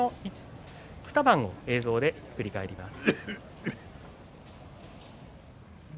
２番を映像で振り返ります。